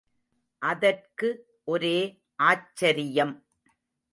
அதற்கு ஒரே ஆச்சரியம்.